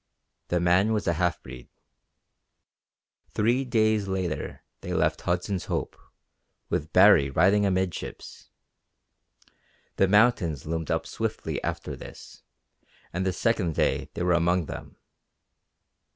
The man was a half breed. Three days later they left Hudson's Hope, with Baree riding amidships. The mountains loomed up swiftly after this, and the second day they were among them.